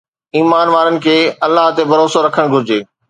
ايمان وارن کي الله تي ڀروسو رکڻ گهرجي.